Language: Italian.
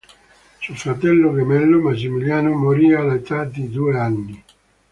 Suo fratello gemello, Massimiliano, morì all'età di due anni.